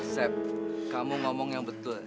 sep kamu ngomong yang betul